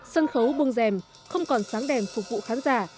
sân khấu buông rèm không còn sáng đèn phục vụ khán giả